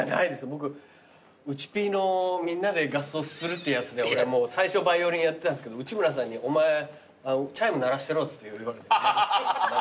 僕『内Ｐ』のみんなで合奏するってやつで俺最初バイオリンやってたんですけど内村さんにお前チャイム鳴らしてろっつって。